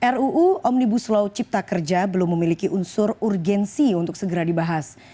ruu omnibus law cipta kerja belum memiliki unsur urgensi untuk segera dibahas